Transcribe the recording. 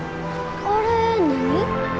あれ何？